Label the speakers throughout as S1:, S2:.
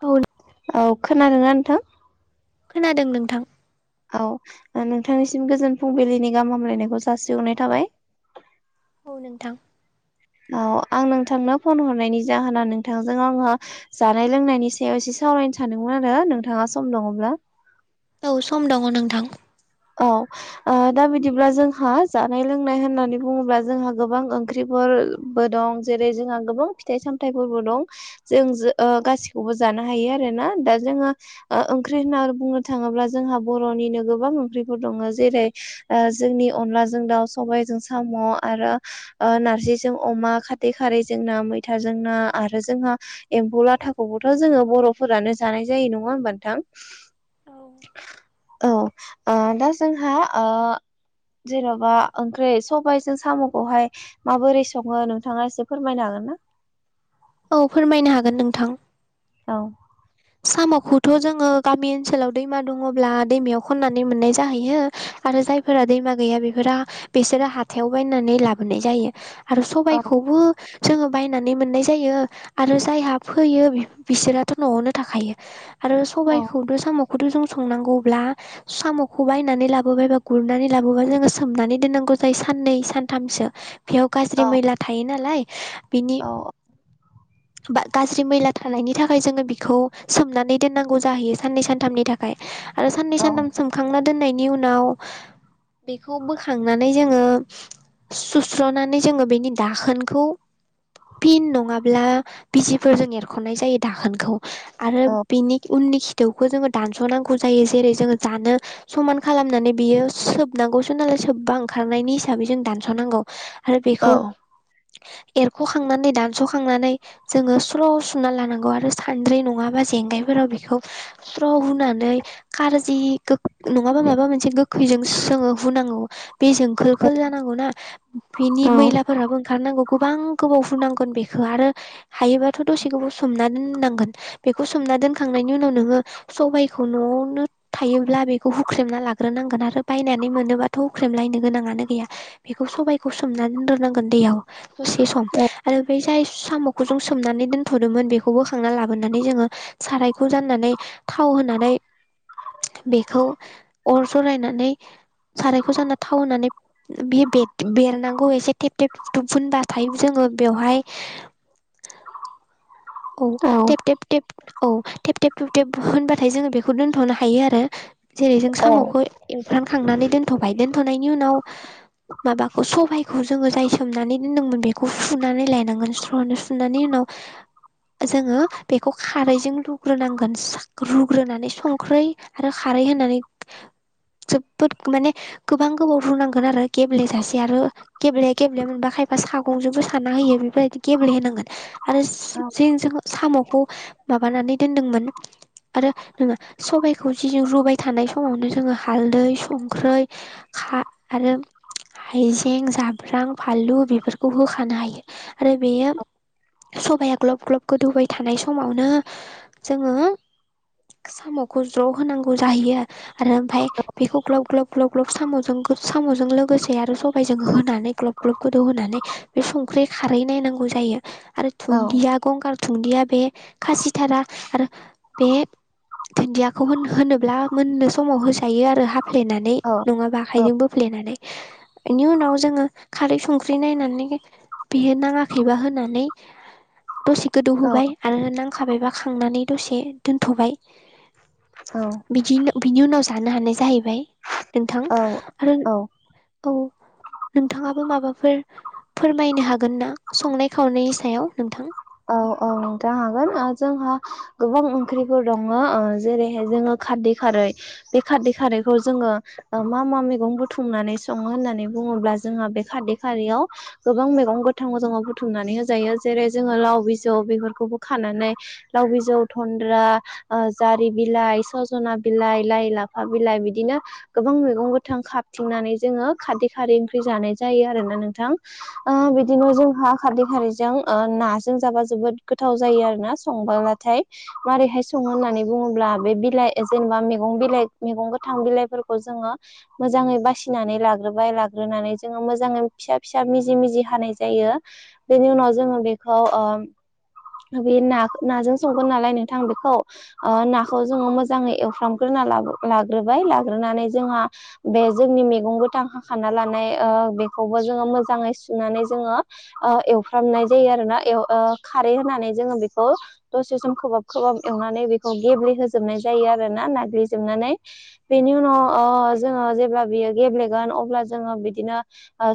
S1: औ
S2: औ खोनादों ना नोंथां
S1: खोनादों नोंथां
S2: औ नोंथांनिसिम गोजोन फुंबिलिनि गाहाम हामलायनायखौ जासिहरनाय थाबाय
S1: नोंगौ नोंथां
S2: औ आं नोंथांनो फन हरनायनि जाहोना नोंथांजों आङो जानाय लोंनायनि सायाव एसे सावरायनो सानदोंमोन आरो नोंथाङा सम दङब्ला
S1: औ सम दङ नोंथां
S2: औ दा बिदिब्ला जोंहा जानाय लोंनाय होननानै बुङोब्ला जोंहा गोबां ओंख्रिफोर बो दं जेरै जोंहा गोबां फिथाइ सामथाइफोरबो दं जों गासिखौबो जानो हायो आरोना दा जोंहा ओ ओंख्रि होननानै बुंनो थाङोब्ला जोंहा बर'निनो गोबां ओंख्रि दङ जेरै जोंनि अनलाजों दाउ सबायाइजों साम' आरो नारजिजों अमा खाथै खारैजों ना मैथाजों ना आरो जोंहा एम्फौ लाथाखौबोथ' जोङो बर'फोरानो जानाय जायो नङा होमबा नोथां
S1: औ
S2: औ ओ दा जोंहा ओ जेन'बा ओंख्रैं सबायाइजों साम'खौहाय माबोरै सङो नोंथाङा एसे फोरमायनो हागोन ना
S1: औ फोरमायनो हागोन नोंथां।
S2: औ।
S1: साम'खौथ' जोङो गामि ओनसोलाव दैमा दङब्ला दैमायाव खननानै मोननाय जाहैयो आरो जायफोरा दैमा गैया बेफोर बिसोरो हाथायाव बायनानै लाबोनाय जायो आरो
S2: औ
S1: सबायखौबो जोङो बायनानै मोननाय जायो आरो जायहा फैयो बिसोराथ' न'आवनो थाखायो। आरो
S2: औ
S1: सबायाइखौद साम'खौद जों संनांगौब्ला साम'खौ बायनानै लाबोबाय एबा गुरनानै लाबोबा जोङो सोमनानै दोननांगौ जायो साननै सानथामसो। बेयाव गाज्रि
S2: औ
S1: मैला थायो नालाय बिनि।
S2: औ
S1: बा गाज्रि मैला थानायनि थाखाय जोङो बेखौ सोमनानै दोननांगौ जाहैयो साननै सानथामनि थाखाय आरो साननै
S2: औ
S1: सानथाम सोमखांना दोननायनि उनाव। बेखौ बोखांनानै जोङो। सुस्र'नानै जोङो बेनि दाखोनखौ फिन नङाब्ला बिजसिफोरजों एरख'नाय जायो दाखोनखौ। आरो
S2: औ
S1: बिनि उननि खिथौखौ जोङो दानस'नांगौ जायो जेरै जोङो जानो। समान खालामनानै बियो सोबनांगौसो नालाय सोबबा ओंखारनायनि हिसाबै जों दानस'नांगौ आरो
S2: औ
S1: बेखौ। एरख'खांनानै दानस'खांनानै जोङो स्र' सुना लानांगौ आरो सानद्रि नङा। बा जेंगायफोराव बेखौ स्र' होनुानै कारजि। नङाबा माबा मोनसे गोखैजों जोङो हुनांगौ बे जोंखोलखौ जानांगौ ना बिनि
S2: औ
S1: मैलाफोराबो ओंखारनांगौ गोबां गोबाव होनुनांगोन बेखौ आरो। हायोबाथ' दसेखौबाव सोमना दोननांगोन बेखौ सोमना दोनखांनायनि उनाव नोङो। सबायाइखौ न'आवनो। थायोब्ला बेखौ हुख्रेमना लाग्रोनांगोन आरो बायनानै मोनोबाथ' हुख्रेमलायनो गोनाङानो गैया बेखौ सबाइखौ सोमनानै दोन द्रनांगोन दैयाव दसे सम आरो बेफ्राय जाय साम'खौ जों सोमनानै दोनथ'दोंमोन बेखौबोखांना लाबोन नानै जोङो सारायखौ जाननानै थाव होनानै बेखौ अर जरायनानै सारायखौ जाना थाव होनानै बे बेरनांगौ एसे थेब थेब थेब थुब फबाथाय जोङो बेवहाय औ टेब टेब थेब औ थेब थुटेब होनबाथाय जोङो बेखौ दोनथ'नो हायो आरो जेरै जों
S2: औ
S1: साम'खौ एवफ्रानखांनानै दोनथ'बाय दोनथ'नायनि उनाव माबाखौ सबाइखौ जोङो जाय सोमनानै दोनदोंमोन बेखौ सुनानै लायनांगोन स्र'नो स्र नानै उनाव। जोङो बेखौ खारैजों रुग्रोनांगोन रुग्रोनानै संख्रै आरो खारै होनानै जोबोद माने गोबां गोबाव रुनांगोन आरो गेम्लेेजासे आरो गेब्ले गेब्लेयाबा मोनबा खायफा सागंजोंबो सारना होयो बेफोरबायदि गेब्लेहांगोन आरो जि जों साम'खौ माबानानै दोनदोंमोन। आरो जोङो सबायाइखौ जि रुबाय थानाय समावनो जोङो हालदै संख्रै आरो हाइजें जाब्रां फानलु बेफोरखौ होखानो हायो आरो बेयो सबाया ग्लब ग्लब गोदौबाय थानाय समावनो जोङो साम'खौ ज' होनांगौ जाहैयो आरो आमफ्राय बेखौ ग्लब ग्लब ग्लब ग्लब साम'जों साम'जों लोगोसे आरो सबायजों होनानै ग्लब ग्लब गोदौहोनानै बे संख्रि खारै नायनांगौ जायो आरो
S2: औ
S1: गंगार दुन्दिया बे खासिथारा आरो बे। दुन्दियाखौ होन होनोब्ला मोननो समाव होजायो आरो हा फ्लेनानै नङाबा आखाइजोंबो बोफ्लेनानै। बेनि उनाव जोङो खारै संख्रि नायनानै बियो नाङाखैबा होनानै। दसे गोदौहोबाय आरो नांखाबायबा खांनानै दसे दोनथ'बाय बिदि बिनि उनाव जानो हानाय जाहैबाय नोंथां
S2: औ
S1: आरो
S2: औ
S1: औ नोंथाङाबो माबाफोर फोरमायनो हागोन ना संनाय खावनायनि सायाव नोंथां?
S2: औ-औ नोंथां हागोन। ओ जोंहा गोबां ओंख्रिफोर दङ जेरैहाय जोङो। खारदै खारै बे खारदै खारैखौ जोङो मा मा मैगं बुथुमनानै सङो होननानै बुङोब्ला जोंहा बे खारदै खारैयाव गोबां मैगं गोथां गोजाङाव बुथुमनानै होजायो जेरै जोङो लाव बिजौ बेफोरखौबो खानानै लाव बिजौ थनन्द्रा। ओ जारि बिलाइ सजना बिलाइ लाइ लाफा बिलाइ बिदिनो गोबां मैगं गोथां खाबथिंनानै जोङो खारदै खारै ओंख्रि जानाय जायो आरोना नोंथां। बिदिनो जोंहा खारदै खारैजों ना जों जाबा जोबोद गोथाव जायो आरोना संबलाथाय। मारैहाय सङो होननानै बुङोब्ला बे बिलाइ जेनेबा मैगं बिलाइ मैगं गोथां बिलाइफोरखौ जोङो मोजाङै बासिनानै लाग्रोबाय लाग्रोनानै जोङो मोजाङै फिसा फिसा मिजि मिजि हानाय जायो। बेनि उनाव जोङो बेखौ ओ‌। बे ना नाजों संगोन नालाय नोंथां बेखौ ओ‌ नाखौ जोङो मोजाङै एवफ्रामग्रोना लाबो लाग्रोबाय लाग्रोनानै जोंहा बे जोंनि मैगं गोथां हाखाना लानाय ओ बेखौबो जोङो मोजाङै सुनानै जोङो ओ एवफ्रामनाय जायो आरो ना एव‌‌ ओ खारै होनानै जोङो बेखौ। दसे सम खोबहाब खोबहाब एवनानै बेखौ गेब्लेहोजोबनाय जायो आरो ना नाग्लिजोबनानै बेनि उनाव जोङो जेब्ला बियो गेब्लेगोन अब्ला जोङो बिदिनो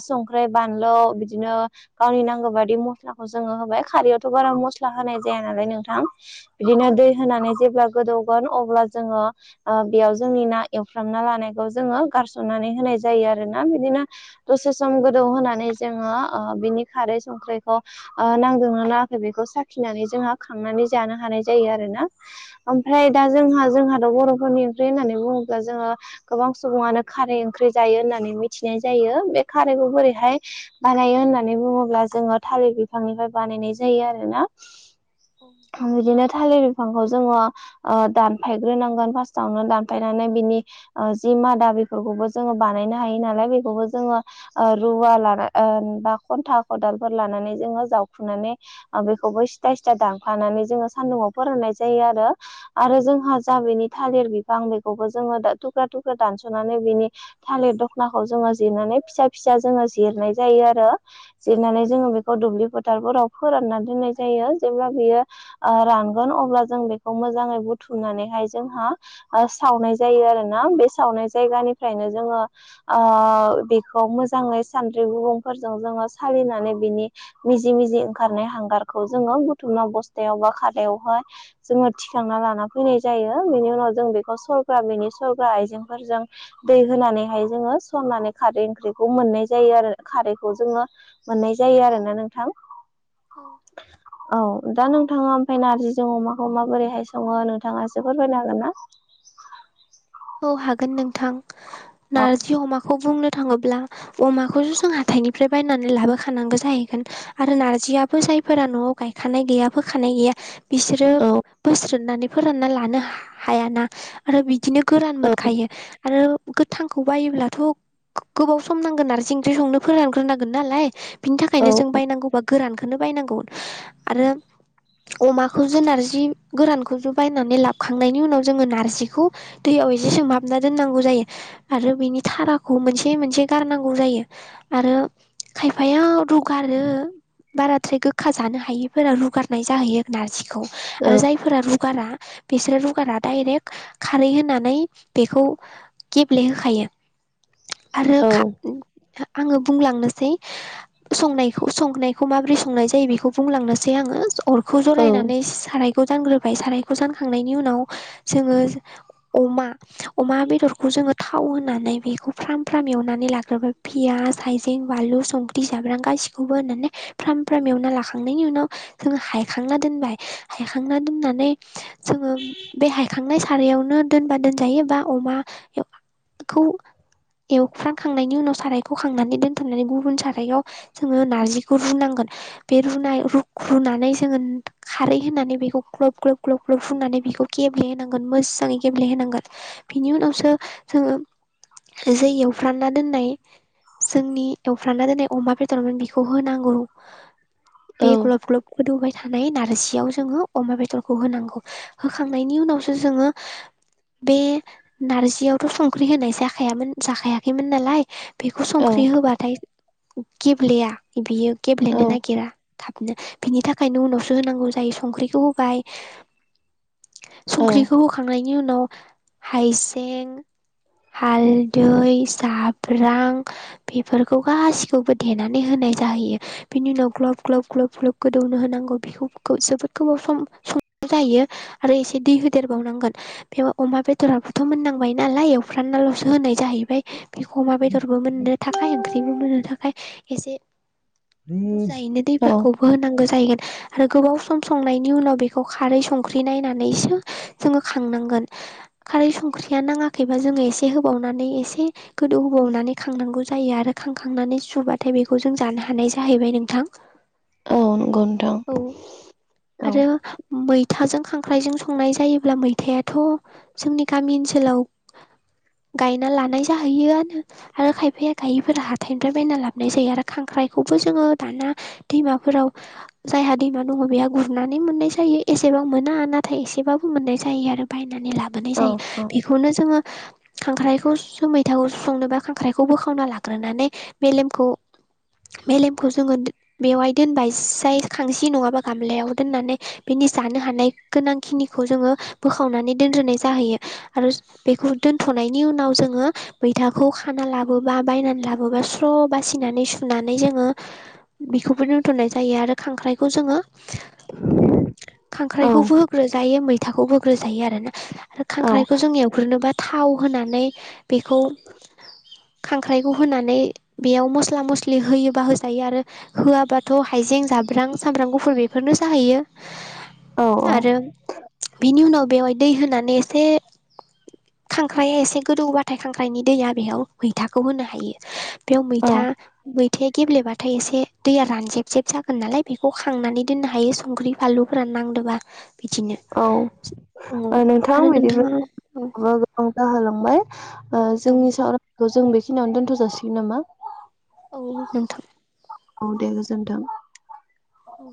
S2: संख्रै बानलु बिदिनो गावनि नांगौ बायदि मस्लाखौ होबाय खारयावथ बारा मस्ला होनाय जाया नालाय नोंथां
S1: औ
S2: बिनो दै होनानै जे गोदौगोन अब्ला जोङो। ओ बेयाव जोंनि ना एवफ्रामना लानायखौ जोङो गारसननानै होनाय जायो आरो ना बिदिनो दसे सम गोदौ होनानै जोङो ओ बिनि खारै संख्रैखौ। नांदोंना नाङाखै बेखौ साखिनानै जोंहा खांनानै जानो हानाय जायो आरो ना ओमफ्राय दा जोंहा जोंहाथ' बर'फोरनिफ्राय होननानै बुङोब्ला जोङो गोबां सुबुङानो खारै ओंख्रि जायो होननानै मिथिनाय जायो बे खारैखौ बोरैहाय बानायो होननानै बुङोब्ला जोङो थालिर बि बिफांनिफ्राय बानायनाय जायो आरोना बिदिनो थालिर बिफांखौ जोङो दानफायग्रोनांगोन फार्स्टावनो दानफायनानै बिनि जि मादा बेफोरखौबो जोङो बानायनो हायो नालाय बेखौबो जोङो रुवा लाना बा खन्था खदालफोर लानानै जोङो जावखुनानै बेखौबो सिथा सिथा दानफानानै जोङो सान्दुुंआव फोराननाय जायो आरो। आरो जोंहा जा बिनि थालिर बिफां बेखौबो जोङो थुख्रा थुख्रा दानस'नानै बिनि थालिर दखनाखौ जोङो जिरनानै फिसा फिसा जोङो जिरनाय जायो आरो। जिरनानै जोङो बेखौ दुब्लि फोथारफोराव फोरानना दोननाय जायो जेब्ला बियो ओ रानगोन अब्ला जों बेखौ मोजाङै बुथुमनानैहाय जोंहा ओ सावनाय जायो आरोना बे सावनाय जायगानिफ्रायनो जोङो। बेखौ मोजाङै सानद्रि गुबुंफोरजों जोङो सालिनानै बिनि मिजि मिजि ओंखारनाय हांगारखौ जोङो बुथुमना बस्थायाव बा खारायावहाय जोङो थिखांना लाना फैनाय जायो बेनि उनाव जों बेखौ सरकार बेनि सरगार आइजेंफोरजों दै होनानैहाय जोङो सननानै खारै ओंख्रिखौ मोननाय जायो आरो खारैखौ जोङो मोननाय जायो आरोना नोंथां।
S1: औ।
S2: औ दा नोंथाङा ओमफ्राय नार्जिजों अमाखौ माबोरैहाय सङो नोंथाङासो फोरमायनो हागोन ना?
S1: औ हागोन नोंथां
S2: औ
S1: नारजि अमाखौ खौ बुंनो थाङोब्ला अमाखौसो जों हाथाइनिफ्राय बायनानै लाबोखानांगौ जाहैगोन। आरो नारजिआाबो जायफोरा न'आव गायखानाय गैया फोखानाय गैया बिसोरो
S2: औ
S1: बोस्रोननानै फोरानना लानो हायाना आरो बिदिनो गोरान
S2: औ
S1: मोनखायो आरो गोथांखौ बायोब्लाथ' गोबाव सम नांगोन नारजि ओंख्रि संनो फोरानग्रोनांगोन नालाय बिनि
S2: औ
S1: थाखायनो जों बायनांगौबा गोरानखौनो बायनांगौ आरो अमाखौजो नार्जि गोरानखौजो बायनानै लाबखांनायनि उनाव जोङो नार्जिखौ दैयाव एसे सोमहाबना दोननांगौ जायो आरो बिनि थाराखौ मोनसे मोनसे गारनांगौ जायो। आरो खायफाया रुगारो बाराद्राय गोखा जानो हायिफोरा रुगारनाय जाहैयो। नारजिखौ
S2: औ
S1: आरो जायफोरा रुगारा बिसोरो रुगारा डाइरेक्ट खारै होना बेखौ गेब्लेहोखायो आरो
S2: औ
S1: खा आङो बुंलांनोसै संनायखौ संनायखौ माबोरै संनाय जायो बेखौ बुंलांनोसै आङो अरखौ
S2: औ
S1: जरायनानै सारायखौ जानग्रोबाय सारायखौ जानखांनायनि उनाव जोङो अमा अमा बेदरखौ जोङो थाव होनानै बेखौ फ्राम फ्राम एवनानै लाग्रोबाय पियास थाइजें बानलु संख्रि जाब्रां गासैखौबो होनानै फ्राम फ्राम एवना लाखांनायनि उनाव जों हायखांना दोनबाय हायखांना दोननानै जोङो बे हायखांनाय सारायावनो दोनबा दोनजायो बा अमा खौ एवफ्रानखांनायनि उनाव सारायखौ खांनानै दोनथ'नानै गुबुन साराइआव जोङो नारजिखौ रुनांगोन। बे रुनाय रु रुनानै जोङो खारै होनानै बेखौ ग्लब ग्लब ग्लब फुननानै बेखौ गेब्ले होनांगोन मोजाङै गेब्लेहोनांगोन बिनि उनावसो जोङो एसे एवफ्रामना दोननाय जोंनि एवफ्रामना दोन्नाय अमा बेदरमोन बेखौ होनांगौ।
S2: औ
S1: बे ग्लब ग्लब गोदौबाय थानाय नारजियाव जोङो अमा बेदरखौ होनांगौ होखांनायनि उनावसो जोङो बे नारजियावथ' संख्रि होनाय जाखायामोन जाखायाखैमोन नालाय बेखो संख्रि होबाथाय गेब्लेया बियो
S2: औ
S1: गेब्लेनो नागिरा थाबनो बिनि थाखायनो उनावसो होनांगौ जायो संख्रिखौ होबाय संख्रिखौ होखांनायनि उनाव हायजें हालदै जाब्रां बेफोरखौ गासिखौबो देनानै होनाय जाहैयो। बिनि उनाव ग्लब - ग्लब - ग्लब - ग्लब गोदौनो होनांगौ बे जोबोद गोबाव सम संनाय जायो। आरो इसे दै होदेरबावनांगोन। बेव अमा बेदराबोथ' मोननांबाय नालाय एवफ्रामनाल'सो होनाय जाहैबाय बिखौ अमा बेदरबो मोननो थाखाय ओंख्रिबो मोननो थाखाय एसे बुरजायैनो
S2: औ
S1: दैफोरखौबो होनांगौ जाहैगोन। आरो गोबाव सम संनायनि उनाव बेखौ खारै संख्रि नायनानैसो जोङो खांनांगोन। खारै संख्रिया नाङाखैबा जोङो एसे होबावनानै एसे गोदौ होबावनानै खांनांगौ जायो आरो खांखांनानै सुबाथाय बेखौ जों जानो हानाय जाहैबाय नोंथां।
S2: औ नंगौ नोंथां
S1: औ
S2: औ
S1: आरो मैथाजों खांख्राइजों संनाय जायोब्ला मैथायाथ' जोंनि गामि ओनसोलाव गायना लानाय जाहैयोनाआनो। आरो खायफाया गायिफोरा हाथाइनिफ्राय बायना लाबोनाय जायो आरो खांख्राइखौबो जोङो दाना दैमाफोराव जायहा दैमा दङ बेहा गुरनानै मोननाय जायो एसेबां मोना नाथाय एसेबाबो मोननाय जायो आरो बायनानै लाबोनाय
S2: औ
S1: जायो
S2: औ
S1: बेखौनो जोङो खांख्राइखौ स' मैथाखौ संनोबा खांख्राइखौ बोखावना लाग्रोनानै मेलेमखौ मेलेमखौ जोङो बेवहाय दोनबाय जाय खांसि नङाबा गामलायाव दोननानै बिनि जानो हानाय गोनांखिनिखौ जोङो बोखावनानै दोनग्रोनाय जाहैयो। आरो बेखौ दोनथ'नायनि उनाव जोङो मैथाखौ खाना लाब बोबा बायनानै लाबोबा स्र' बासिनानै सुनानै जोङो बेखौबो दोनथ'नाय जायो आरो खांख्राइखौ जोङो
S2: औ
S1: खांख्राइखौबो होग्रो जायो मैथाखौबो होग्रो जायो आरोना आरो
S2: औ
S1: खांख्राइखौ जों एवग्रोनोबा थाव होनानै बेखौ खांख्राइखौ होनानै बेयाव मस्ला मस्लि होयोबा होजायो आरो होआबाथ' हाइजें जाब्रां सामब्राम गुफुर बेफोरनो जाहैयो। आरो बेनि उनाव बेवहाय दै होनानै एसे खांख्राइआ एसे गोदौबाथाय खांख्राइनि दैया बेयाव मैथाखौ होनो हायो। बेयाव
S2: औ
S1: मैथा मैथाया गेब्लेबाथाय एसे दैया रानजेब जेब जागोन नालाय बेखौ खांनानै दोननो हायो संख्रि फालुफोर नांदोंबा बिदिनो
S2: औ
S1: औ
S2: ओ नोंथां
S1: आरो
S2: बिदिबा
S1: नोंथाङा औ
S2: [unintelligible] [unintelligible] जाहोलांबाय ओ
S1: औ
S2: जोंनि सावरायनायखौ जों बेखिनियावनो दोन्थ' जासिगोन नामा?
S1: औ नोंथां।
S2: औ दे गोजोन्थों।
S1: औ।